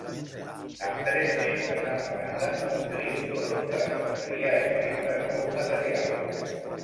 Amb tres membres en la banda, el trio prompte es posaria a escriure nou material.